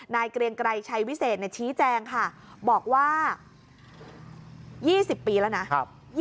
เกรียงไกรชัยวิเศษชี้แจงค่ะบอกว่า๒๐ปีแล้วนะ